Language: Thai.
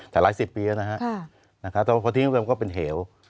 แต่หลายสิบปีแล้วนะฮะแต่พอทิ้งก็เป็นเหี่ยว